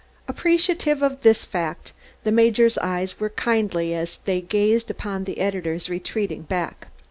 Appreciative of this fact, the Major's eyes were kindly as they gazed upon the editor's retreating back.